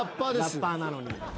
ラッパーなのに。